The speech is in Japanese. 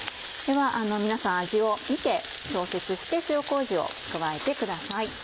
では皆さん味を見て調節して塩麹を加えてください。